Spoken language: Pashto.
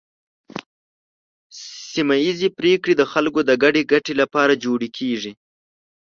سیمه ایزې پریکړې د خلکو د ګډې ګټې لپاره جوړې کیږي.